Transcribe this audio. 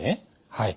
はい。